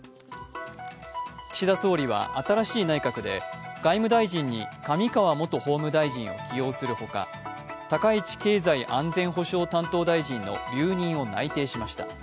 岸田総理は、新しい内閣で外務大臣に上川元法務大臣を起用するほか、高市経済安全保障担当大臣の留任を内定しました。